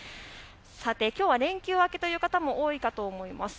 きょうは連休明けという方も多いと思います。